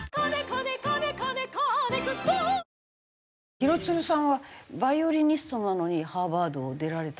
廣津留さんはバイオリニストなのにハーバードを出られた。